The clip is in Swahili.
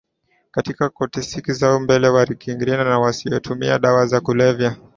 katika koteksi zao za mbele wakilinganishwa na wasiotumia dawa za kulevya